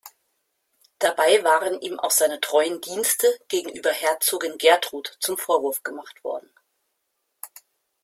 Dabei waren ihm auch seine treuen Dienste gegenüber Herzogin Gertrud zum Vorwurf gemacht worden.